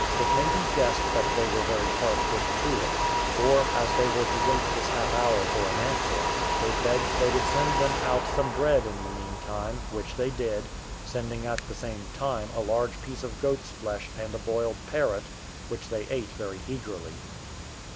It may be guessed that they were very hard put to it; for, as they were to wait this half hour for an answer, they begged they would send them out some bread in the meantime, which they did, sending at the same time a large piece of goat's flesh and a boiled parrot, which they ate very eagerly.